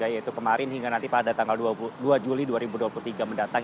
yaitu kemarin hingga nanti pada tanggal dua juli dua ribu dua puluh tiga mendatang